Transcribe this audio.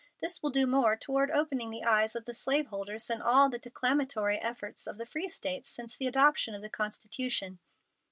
This will do more toward opening the eyes of the slaveholders than all the declamatory efforts of the free States since the adoption of the Constitution."